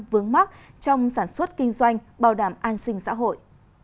vướng mắt trong sản xuất kinh doanh bảo đảm an sinh xã hội